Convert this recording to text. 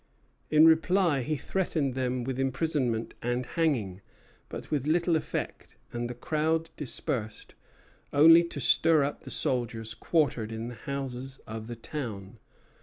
In reply he threatened them with imprisonment and hanging; but with little effect, and the crowd dispersed, only to stir up the soldiers quartered in the houses of the town.